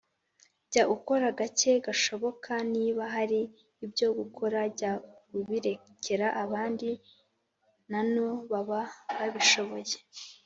Jya ukora gake gashoboka niba hari ibyo gukora jya ubirekera abandi nano baba babishoboye.